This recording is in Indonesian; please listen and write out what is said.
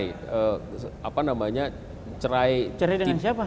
cerai dengan siapa